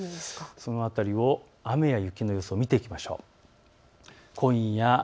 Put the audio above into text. この辺りの雨や雪の様子を見ていきましょう。